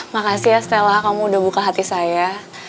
makasih ya setelah kamu udah buka hati saya